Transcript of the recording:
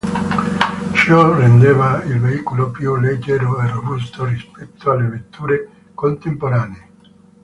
Ciò rendeva il veicolo più leggero e robusto rispetto alle vetture contemporanee.